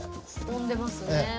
込んでますね。